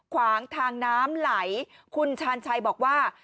ขวางทางน้ำไหลคุณชาญชัยบอกว่า